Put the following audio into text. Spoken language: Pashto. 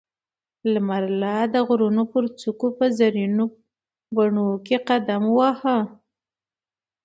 لمر لا د غرونو پر څوکو په زرينو پڼو کې قدم واهه.